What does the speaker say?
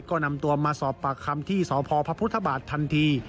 ก็นำตัวมาสอบปากคำที่สพพระพุทธบาททันที